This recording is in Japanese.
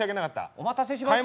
お待たせしました。